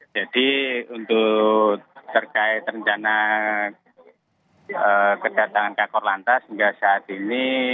jadi untuk terkait rencana kejadatan kakor lantas hingga saat ini